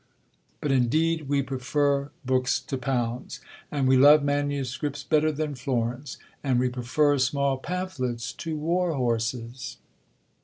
"But, indeed, we prefer books to pounds; and we love manuscripts better than florins; and we prefer small pamphlets to war horses."